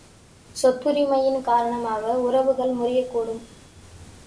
சொத்துரிமையின் காரணமாக உறவுகள் முறியக்கூடும்.